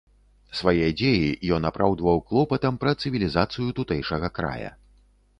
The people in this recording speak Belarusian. Свае дзеі ён апраўдваў клопатам пра цывілізацыю тутэйшага края.